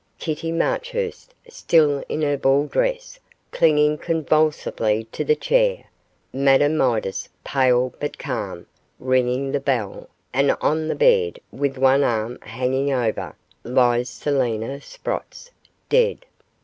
Kitty Marchurst, still in her ball dress, clinging convulsively to the chair; Madame Midas, pale but calm, ringing the bell; and on the bed, with one arm hanging over, lies Selina Sprotts dead!